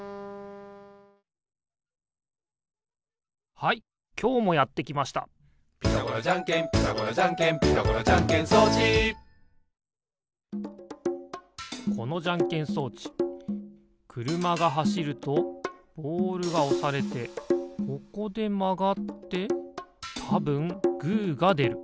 はいきょうもやってきました「ピタゴラじゃんけんピタゴラじゃんけん」「ピタゴラじゃんけん装置」このじゃんけん装置くるまがはしるとボールがおされてここでまがってたぶんグーがでる。